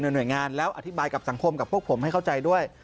หน่วยงานแล้วอธิบายกับสังคมกับพวกผมให้เข้าใจด้วย